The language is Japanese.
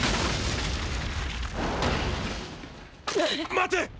待て！！